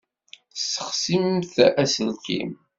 Tessexsimt aselkim.